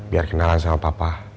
biar kenalan sama papa